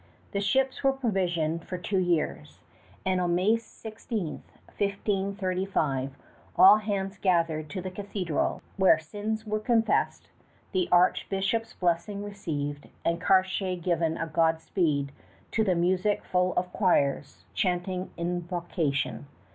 The ships were provisioned for two years; and on May 16, 1535, all hands gathered to the cathedral, where sins were confessed, the archbishop's blessing received, and Cartier given a Godspeed to the music of full choirs chanting invocation.